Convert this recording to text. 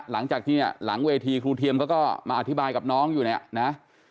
หลังจากที่หลังเวทีครูเทียมเขาก็มาอธิบายกับน้องอยู่เนี่ยนะ